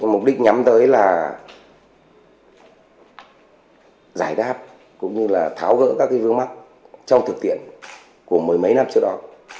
mục đích nhắm tới là giải đáp cũng như là tháo gỡ các cái vướng mắt trong thực tiện của mười mấy năm trước đó